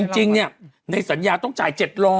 จริงในสัญญาต้องจ่าย๗๐๐